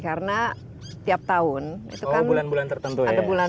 karena tiap tahun itu kan ada bulan bulan tertentu